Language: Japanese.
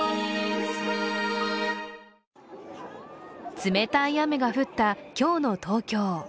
冷たい雨が降った今日の東京。